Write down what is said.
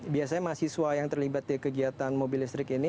biasanya mahasiswa yang terlibat di kegiatan mobil listrik ini